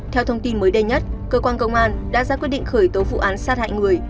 theo thông tin mới đây nhất cơ quan công an đã ra quyết định khởi tố vụ án sát hại người